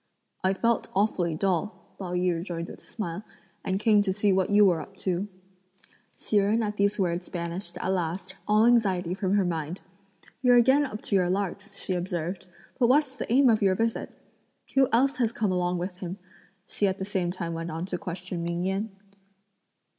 "I felt awfully dull," Pao yü rejoined with a smile, "and came to see what you were up to." Hsi Jen at these words banished, at last, all anxiety from her mind. "You're again up to your larks," she observed, "but what's the aim of your visit? Who else has come along with him?" she at the same time went on to question Ming Yen.